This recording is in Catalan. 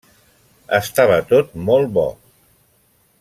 Estava tot molt bo.